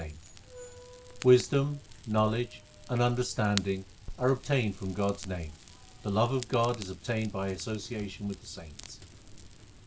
HYMNS OF GURU NANAK 375 Wisdom, knowledge, and understanding are obtained from God s name ; the love of God is obtained by association with the saints.